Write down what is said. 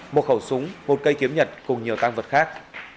một khẩu súng một cây kiếm nhật cùng nhiều tăng vật khác